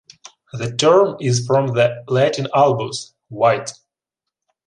The term is from the Latin "albus", "white".